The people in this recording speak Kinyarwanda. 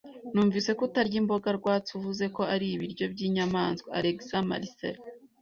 Numvise ko utarya imboga rwatsi. Uvuze ko ari ibiryo byinyamaswa. (alexmarcelo)